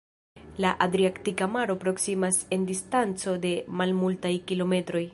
La Adriatika Maro proksimas en distanco de malmultaj kilometroj.